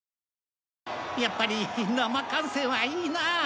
やっぱり生観戦はいいなあ。